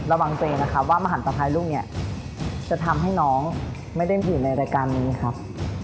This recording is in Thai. ระวังเจว่ามหันตภัยลูกนี้จะทำให้น้องไม่ได้ผิดในรายการนี้ครับ